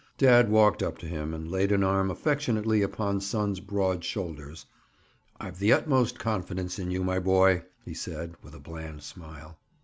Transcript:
Dad walked up to him and laid an arm affectionately upon son's broad shoulders. "I've the utmost confidence in you, my boy," he said, with a bland smile.